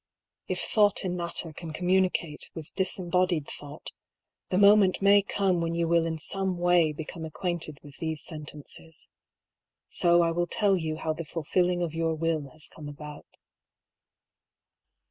If Thought in Mat ter can communicate with disembodied Thought, the moment may come when you will in some way become acquainted with these sentences. So I will tell you how the fulfilling of your will has come about.